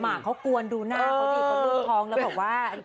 มากเขากลัวดูหน้าเขาสิดูท้องแล้วบอกว่า